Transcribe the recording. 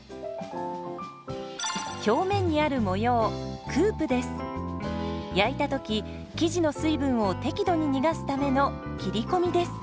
表面にある模様焼いた時生地の水分を適度に逃がすための切り込みです。